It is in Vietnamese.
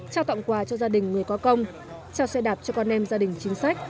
trao tặng quà cho gia đình người có công trao xe đạp cho con em gia đình chính sách